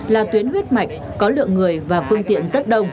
là tuyến huyết mạch có lượng người và phương tiện rất đông